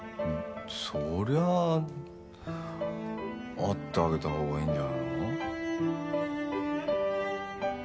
そりゃあ会ってあげたほうがいいんじゃないの？